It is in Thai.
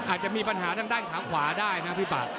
อาจจะมีปัญหาทางด้านขาขวาได้นะพี่ปาก